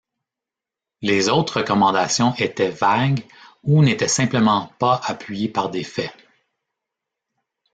Les autres recommandations étaient vagues ou n'étaient simplement pas appuyées par des faits.